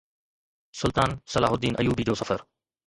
سلطان صلاح الدين ايوبي جو سفر